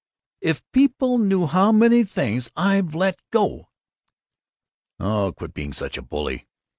If people knew how many things I've let go " "Oh, quit being such a bully."